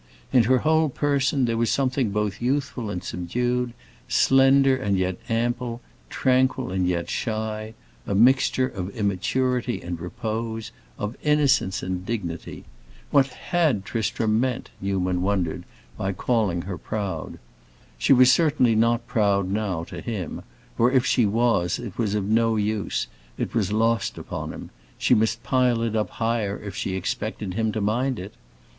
In her whole person there was something both youthful and subdued, slender and yet ample, tranquil yet shy; a mixture of immaturity and repose, of innocence and dignity. What had Tristram meant, Newman wondered, by calling her proud? She was certainly not proud now, to him; or if she was, it was of no use, it was lost upon him; she must pile it up higher if she expected him to mind it.